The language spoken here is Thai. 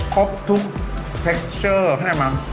ครบทุก์เท็กเชอร์่อกันเนี่ยครับ